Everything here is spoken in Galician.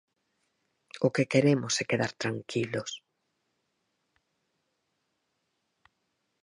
O que queremos é quedar tranquilos.